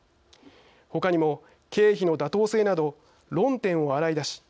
他にも、経費の妥当性など論点を洗い出し